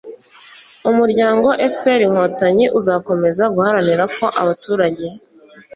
umuryango fpr-inkotanyi uzakomeza guharanira ko abaturage